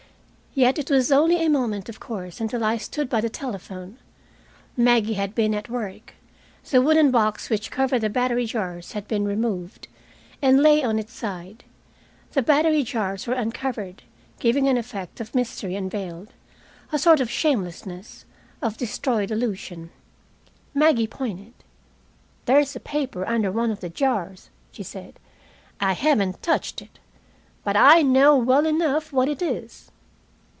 Yet it was only a moment, of course, until I stood by the telephone. Maggie had been at work. The wooden box which covered the battery jars had been removed, and lay on its side. The battery jars were uncovered, giving an effect of mystery unveiled, a sort of shamelessness, of destroyed illusion. Maggie pointed. "There's a paper under one of the jars," she said. "I haven't touched it, but I know well enough what it is."